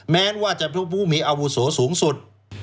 แม้ว่าจะเป็นผู้มีอาวุโสสูงสุด